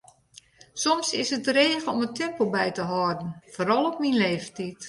Soms is it dreech om it tempo by te hâlden, foaral op myn leeftiid.